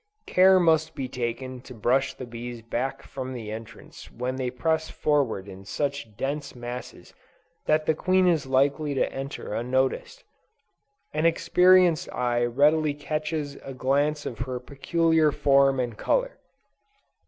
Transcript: Care must be taken to brush the bees back from the entrance when they press forward in such dense masses that the queen is likely to enter unnoticed. An experienced eye readily catches a glance of her peculiar form and color.